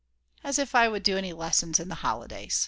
As if I would do any lessons in the holidays.